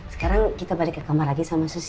sekarang kita balik ke kamar lagi sama sus ya